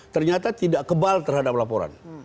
ternyata tidak kebal terhadap laporan